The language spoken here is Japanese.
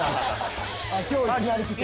今日いきなり来て？